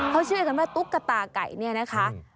เขาเชื่อกันว่าตุ๊กตาไก่เนี่ยนะคะ